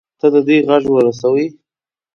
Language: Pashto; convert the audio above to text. ته د دوى غږ ورسوي.